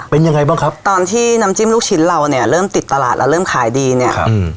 เป็นยังไงบ้างครับตอนที่น้ำจิ้มลูกชิ้นเราเนี่ยเริ่มติดตลาดแล้วเริ่มขายดีเนี้ยครับอืม